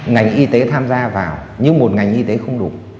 ngành y tế tham gia vào nhưng một ngành y tế không đủ